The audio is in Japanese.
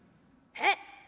「えっ？」。